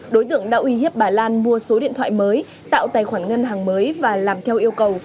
đối tượng đã uy hiếp bà lan mua số điện thoại mới tạo tài khoản ngân hàng mới và làm theo yêu cầu